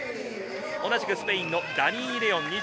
同じくスペインのダニー・レオン。